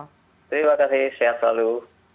terima kasih sehat selalu